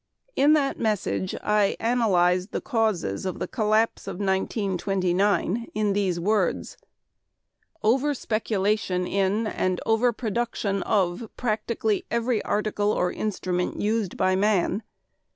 In that message I analyzed the causes of the collapse of 1929 in these words: "over speculation in and overproduction of practically every article or instrument used by man.